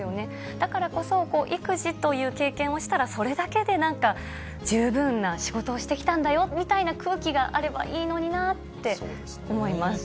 だからこそ、育児という経験をしたら、それだけでなんか十分な仕事をしてきたんだよみたいな空気があればいいのになって思います。